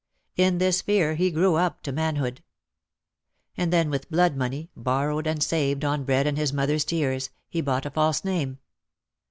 In this fear he grew up to manhood. And then with blood money, borrowed and saved on bread and his mother's tears, he bought a false name.